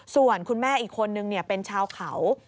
ส่วนคุณแม่อีกคนนึงเป็นชาวเขา